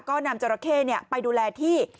ก็นำเจ้าราเข้เนี่ยไปดูแลที่